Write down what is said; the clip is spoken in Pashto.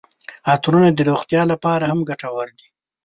عطرونه د روغتیا لپاره هم ګټور دي.